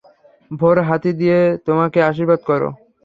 তোর হাতি দিয়ে আমাকে আশীর্বাদ কর।